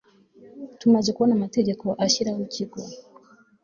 tumaze kubona amategeko ashyiraho ikigo